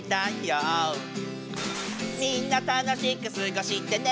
「みんな楽しくすごしてね」